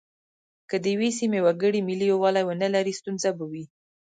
که د یوې سیمې وګړي ملي یووالی ونه لري ستونزه به وي.